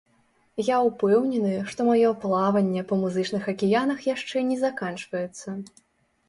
Я ўпэўнены, што маё плаванне па музычных акіянах яшчэ не заканчваецца.